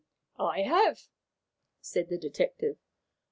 "I have," said the detective.